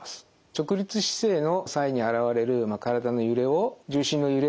直立姿勢の際に現れる体の揺れを重心の揺れとして捉える検査です。